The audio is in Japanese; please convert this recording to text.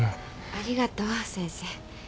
ありがとう先生。